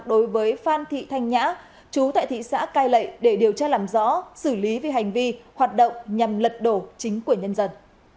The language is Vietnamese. đối với phan thị thanh nhã chú tại thị xã cai lệ để điều tra làm rõ xử lý về hành vi hoạt động nhằm lật đổ chính của nhân dân